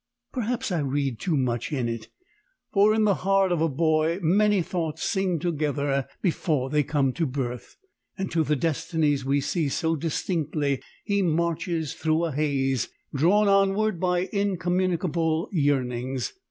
Perhaps I read too much in it, for in the heart of a boy many thoughts sing together before they come to birth, and to the destinies we see so distinctly he marches through a haze, drawn onward by incommunicable yearnings.